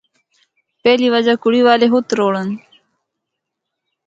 پہلی وجہ کڑی والے خود تروڑّن۔